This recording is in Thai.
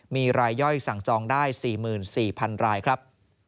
มีรายย่อยสั่งจองได้๔๔๐๐๐รายครับ